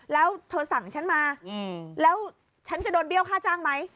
แล้วเธอสั่งฉันมาแล้วฉันจะโดนเบี้ยวค่าจ้างไหม